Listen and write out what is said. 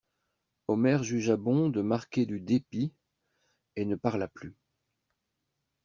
Omer jugea bon de marquer du dépit, et ne parla plus.